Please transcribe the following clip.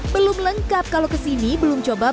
belum lengkap kalau kesini belum coba